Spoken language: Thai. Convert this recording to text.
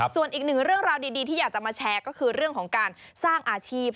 ส่วนอีกหนึ่งเรื่องราวดีที่อยากจะมาแชร์ก็คือเรื่องของการสร้างอาชีพ